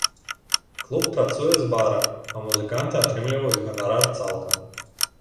Клуб працуе з бара, а музыканты атрымліваюць ганарар цалкам.